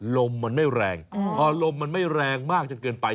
ลมมันไม่แรงพอลมมันไม่แรงมากจนเกินไป